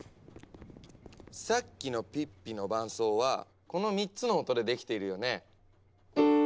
さっきのピッピの伴奏はこの３つの音でできているよね。